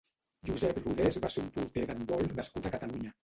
Josep Rodés va ser un porter d'handbol nascut a Catalunya.